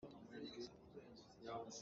Mi hmurka ṭha a si.